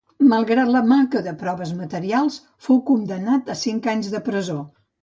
Malgrat la manca de proves materials, fou condemnat a cinc anys de presó.